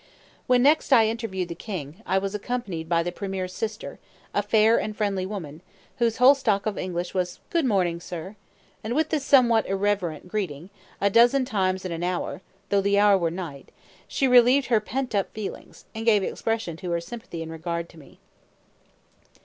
When next I "interviewed" the king, I was accompanied by the premier's sister, a fair and friendly woman, whose whole stock of English was, "Good morning, sir"; and with this somewhat irrelevant greeting, a dozen times in an hour, though the hour were night, she relieved her pent up feelings, and gave expression to her sympathy and regard for me.